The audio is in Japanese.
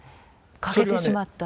欠けてしまった？